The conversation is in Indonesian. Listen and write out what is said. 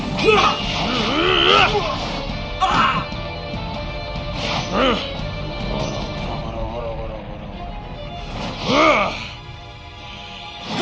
jangan sampai dia disini